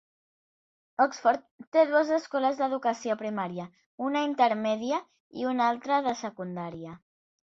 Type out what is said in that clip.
Oxford té dues escoles d'educació primària, una intermèdia i una altra de secundària.